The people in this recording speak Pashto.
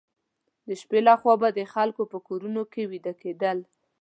د شپې لخوا به د خلکو په کورونو کې ویده کېدل.